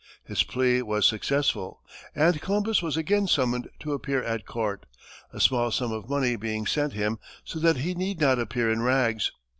His plea was successful, and Columbus was again summoned to appear at court, a small sum of money being sent him so that he need not appear in rags.